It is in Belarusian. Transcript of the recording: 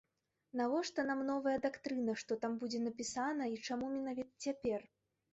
Навошта нам новая дактрына, што там будзе напісана і чаму менавіта цяпер?